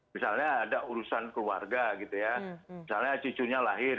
misalnya ada urusan keluarga misalnya cucunya lahir